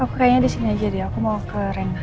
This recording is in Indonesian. kayaknya di sini aja deh aku mau ke ren